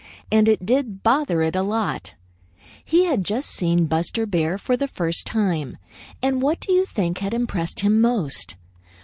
And it did bother it a lot. He had just seen Buster Bear for the first time, and what do you think had impressed him most?